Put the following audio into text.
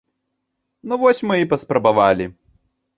Ну вось мы і паспрабавалі.